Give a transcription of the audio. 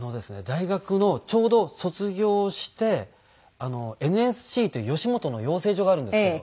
大学のちょうど卒業してＮＳＣという吉本の養成所があるんですけど。